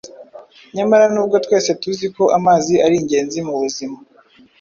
Nyamara nubwo twese tuzi ko amazi ari ingenzi mubuzima,